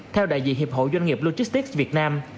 theo đại diện hiệp hội doanh nghiệp logistics việt nam